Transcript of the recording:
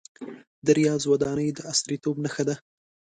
د ریاض ودانۍ د عصریتوب نښه ده.